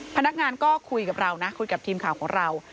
พนักงานก็คุยกับเรานะคุยกับทีมข่าวของเรา